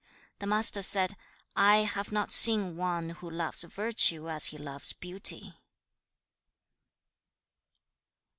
The Master said, 'I have not seen one who loves virtue as he loves beauty.'